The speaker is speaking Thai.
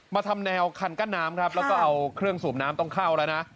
ทำแนวคันกั้นน้ำครับแล้วก็เอาเครื่องสูบน้ำต้องเข้าแล้วนะ